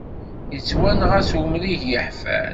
Yettwanɣa s umrig yeḥfan.